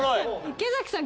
池崎さん